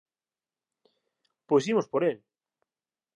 Pois imos por el...